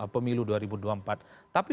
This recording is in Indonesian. pemilu dua ribu dua puluh empat tapi